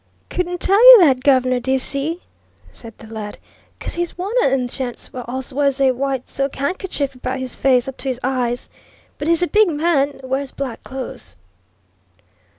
"Couldn't tell you that, guv'nor, d'yer see," said the lad, "'cause he's one o' them gents what allus wears a white silk handkercher abaht his face up to his eyes. But he's a big man wears black clothes."